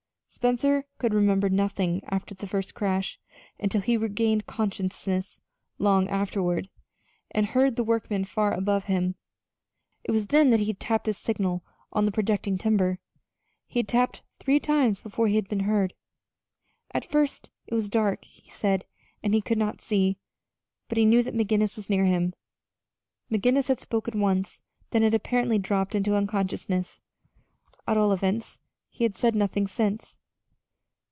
Spencer could remember nothing after the first crash, until he regained consciousness long afterward, and heard the workmen far above him. It was then that he had tapped his signal on the projecting timber. He had tapped three times before he had been heard. At first it was dark, he said, and he could not see, but he knew that McGinnis was near him. McGinnis had spoken once, then had apparently dropped into unconsciousness. At all events he had said nothing since.